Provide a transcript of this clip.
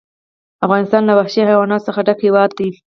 افغانستان له وحشي حیواناتو څخه ډک هېواد دی.